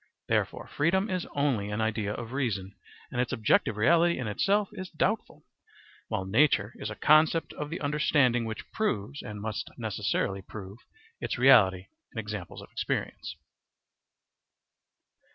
Therefore freedom is only an idea of reason, and its objective reality in itself is doubtful; while nature is a concept of the understanding which proves, and must necessarily prove, its reality in examples of experience.